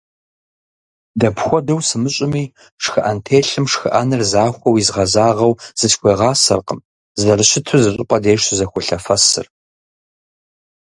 Дапхуэду сымыщӏыми, шхыӏэнтелъым шхыӏэныр захуэу изгъэзагъэу зысхуегъасэркъым, зэрыщыту зыщӏыпӏэ деж щызэхуолъэфэсыр.